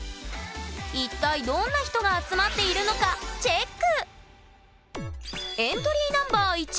一体どんな人が集まっているのかチェック！